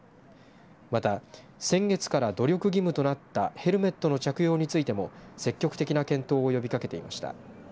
また、先月から努力義務となったヘルメットの着用についても積極的な検討を呼びかけていました。